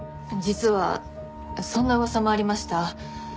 実はそんな噂もありました。